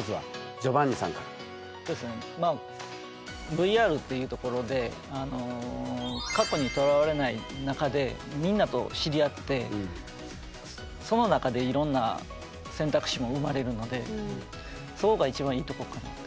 ＶＲという所で過去にとらわれない中でみんなと知り合ってその中でいろんな選択肢も生まれるのでそこが一番いいとこかなぁと思いますね。